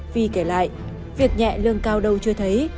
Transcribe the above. vì kể lại việc nhẹ lương cao đâu chưa thấy